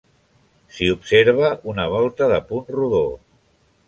S'hi observa una volta de punt rodó.